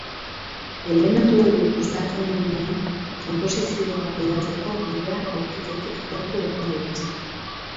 Elementu horiek uztartzen direnean, konposizioa gidatzeko bidea aurkitzetik gertu egon gaitezke.